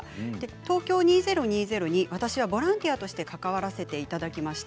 東京２０２０に私はボランティアとして関わらせていただきました。